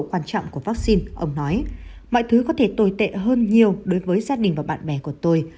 quan trọng của vaccine ông nói mọi thứ có thể tồi tệ hơn nhiều đối với gia đình và bạn bè của tôi